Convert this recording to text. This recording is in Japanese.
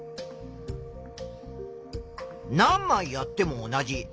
何まいやっても同じ。